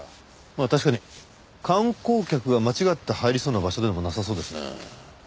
まあ確かに観光客が間違って入りそうな場所でもなさそうですね。